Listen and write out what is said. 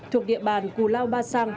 thuộc địa bàn cù lao ba sang